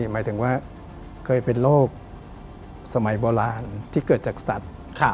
หมายถึงว่าเคยเป็นโรคสมัยโบราณที่เกิดจากสัตว์